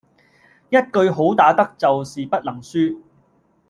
一句好打得就是不能輸